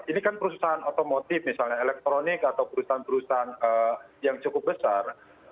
ini kan perusahaan otomotif misalnya elektronik atau perusahaan perusahaan yang cukup besar